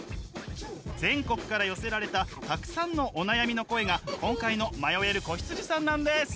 全国から寄せられたたくさんのお悩みの声が今回の迷える子羊さんなんです。